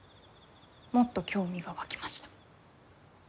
もっと興味が湧きました。